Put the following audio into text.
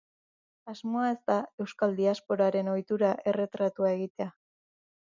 Asmoa ez da euskal diasporaren ohitura erretratua egitea.